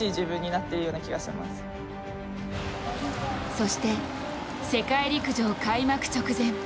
そして世界陸上開幕直前。